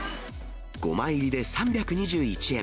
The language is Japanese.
５枚入りで３２１円。